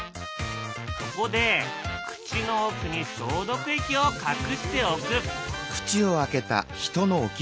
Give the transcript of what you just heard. そこで口の奥に消毒液を隠しておく。